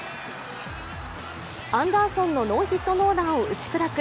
アンダーソンのノーヒットノーランを打ち砕く